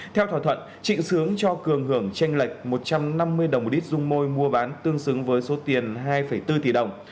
theo thỏa thuận trịnh sướng cho cường hưởng tranh lệch một trăm năm mươi đồng một lít dung môi mua bán tương xứng với số tiền hai bốn tỷ đồng